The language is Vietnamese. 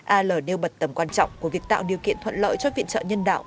al nêu bật tầm quan trọng của việc tạo điều kiện thuận lợi cho viện trợ nhân đạo